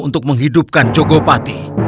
untuk menghidupkan jogopati